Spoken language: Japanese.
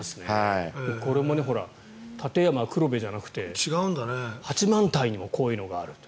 これも立山黒部じゃなくて八幡平にもこういうのがある。